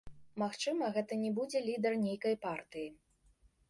Магчыма, гэта не будзе лідар нейкай партыі.